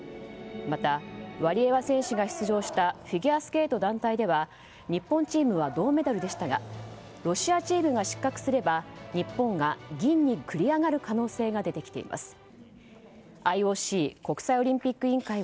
また、ワリエワ選手が出場したフィギュアスケート団体では日本チームは銅メダルでしたがロシアチームが失格すれば日本が銀に繰り上がる可能性が出てきています。